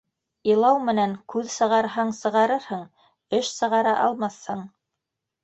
Илау менән күҙ сығарһаң, сығарырһың, эш сығара алмаҫһың.